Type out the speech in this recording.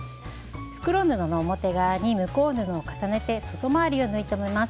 袋布の表側に向こう布を重ねて外回りを縫い留めます。